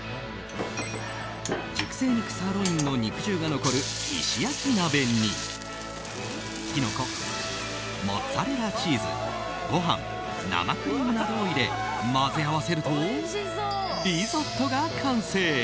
熟成肉サーロインの肉汁が残る石焼き鍋にキノコ、モッツァレラチーズご飯、生クリームなどを入れ混ぜ合わせるとリゾットが完成。